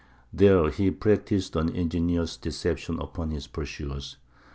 There he practised an ingenious deception upon his pursuers.